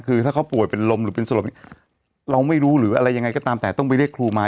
คือถ้าเขาป่วยเป็นลมหรือเป็นสลบเราไม่รู้หรืออะไรยังไงก็ตามแต่ต้องไปเรียกครูมา